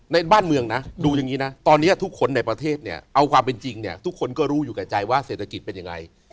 ในบ้านเมืองนะดูอย่างนี้นะตอนนี้ทุกคนในประเทศเนี่ยเอาความเป็นจริงเนี่ยทุกคนก็รู้อยู่กับใจว่าเศรษฐกิจเป็นยังไง